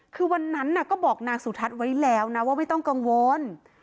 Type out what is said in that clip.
คือวันนั้นก็บอกนางสุทัศน์ไว้แล้วนะว่าไม่ต้องกังวล